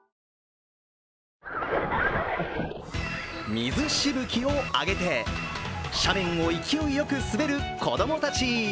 水しぶきを上げて斜面を勢いよく滑る子供たち。